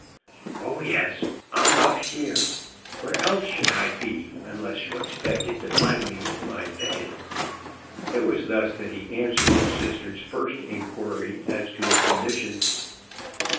"Oh yes; I'm up here; where else should I be, unless you expected to find me in my bed?" It was thus that he answered his sister's first inquiry as to his condition.